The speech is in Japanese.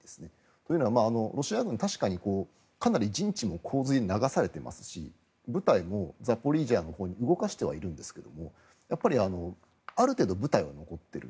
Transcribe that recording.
というのはロシア軍は確かにかなり陣地も洪水で流されていますし部隊も、ザポリージャのほうに動かしてはいるんですがある程度、部隊は残っている。